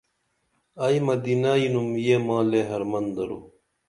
ائی مدینہ یینُم یہ ما لے حرمن درو